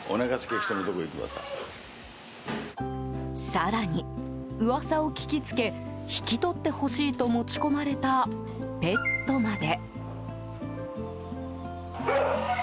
更に、噂を聞きつけ引き取ってほしいと持ち込まれたペットまで。